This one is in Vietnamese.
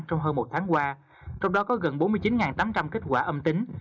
trong hơn một tháng qua trong đó có gần bốn mươi chín tám trăm linh kết quả âm tính